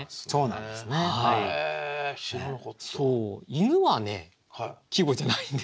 犬はね季語じゃないんです。